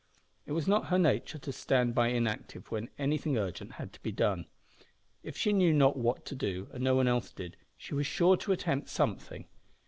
It was not her nature to stand by inactive when anything urgent had to be done. If she knew not what to do, and no one else did, she was sure to attempt something.